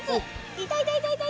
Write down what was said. いたいたいたいた！